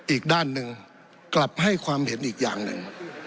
อีกด้านหนึ่งกลับให้ความเห็นอีกอย่างหนึ่ง